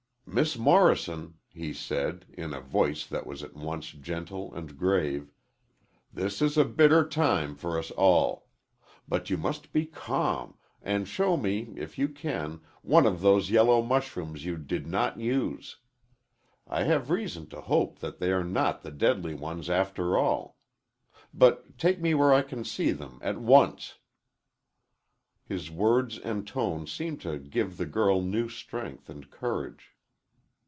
"Miss Morrison," he said, in a voice that was at once gentle and grave, "this is a bitter time for us all. But you must be calm, and show me, if you can, one of those yellow mushrooms you did not use. I have reason to hope that they are not the deadly ones after all. But take me where I can see them, at once." His words and tone seemed to give the girl new strength and courage.